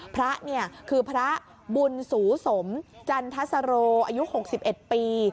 พระเนี่ยคือพระบุญสูสมจันทสโรอายุ๖๑ปี